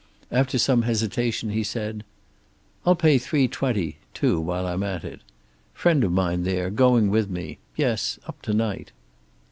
After some hesitation he said: "I'll pay three twenty too, while I'm at it. Friend of mine there, going with me. Yes, up to to night."